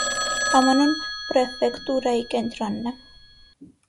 Համանուն պրեֆեկտուրայի կենտրոնն է։